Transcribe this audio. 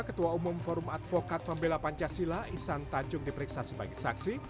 ketua umum forum advokat pembelah pancasila isan tanjung diperiksasi bagi saksi